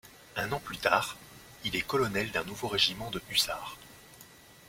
Un an plus tard, il est colonel d'un nouveau régiment de hussards.